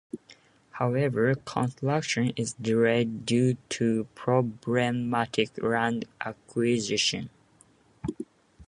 However, construction is delayed due to problematic land acquisition.